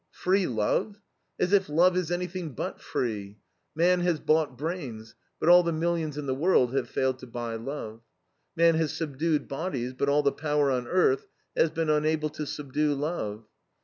Free love? As if love is anything but free! Man has bought brains, but all the millions in the world have failed to buy love. Man has subdued bodies, but all the power on earth has been unable to subdue love.